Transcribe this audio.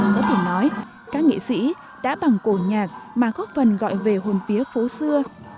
có thể nói các nghệ sĩ đã bằng cổ nhạc mà góp phần gọi về hồn phía phố xưa